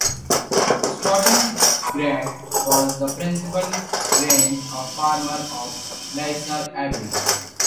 Stoughton Grange was the principal grange or farm of Leicester Abbey.